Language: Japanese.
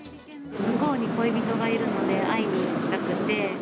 向こうに恋人がいるので、会いに行きたくて。